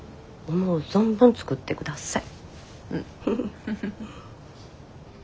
思う存分作って下さい。